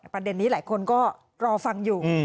ประเด็นนี้หลายคนก็รอฟังอยู่